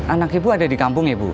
anak ibu ada di kampung ya bu